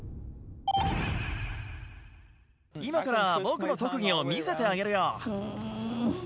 今から僕の特技を見せてあげるよ。